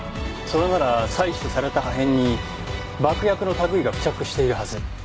それなら採取された破片に爆薬の類いが付着しているはず。